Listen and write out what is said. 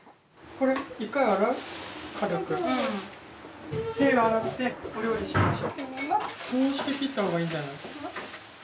こうして切ったほうがいいんじゃない？